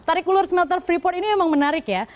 tarikulur smelter freeport ini memang menarik ya